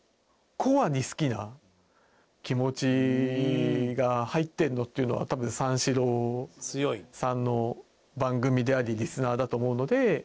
コアに好きな気持ちが入ってるのっていうのは多分三四郎さんの番組でありリスナーだと思うので。